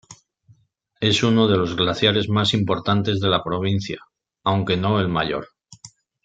Es uno de los glaciares más importantes de la Provincia, aunque no el mayor.